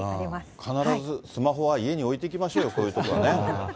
必ずスマホは家に置いていきましょうよ、こういう所はね。